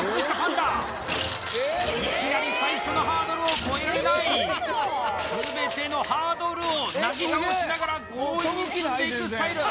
いきなり最初のハードルを越えられない全てのハードルをなぎ倒しながら強引に進んでいくスタイル